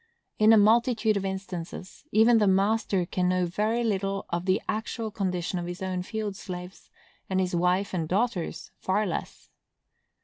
In a multitude of instances, even the master can know very little of the actual condition of his own field slaves, and his wife and daughters far less.